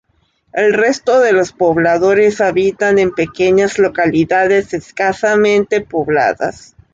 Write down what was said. El resto de los pobladores habitan en pequeñas localidades escasamente pobladas.